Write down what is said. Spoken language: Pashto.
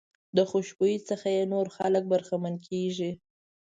د خوشبويۍ څخه یې نور خلک برخمن کېږي.